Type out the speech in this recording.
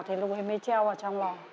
thì lúc ấy mới treo vào trong lò